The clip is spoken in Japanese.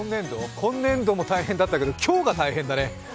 今年度も大変だったけど今日が大変だね。